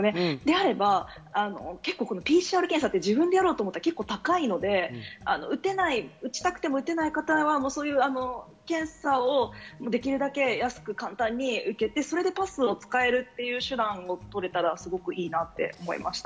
であればＰＣＲ検査は自分でやると高いので打ちたくても打てない方は検査をできるだけ安く簡単に受けて、パスを使えるという手段をとれたらすごく良いなと思いました。